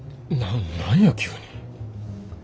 な何や急に。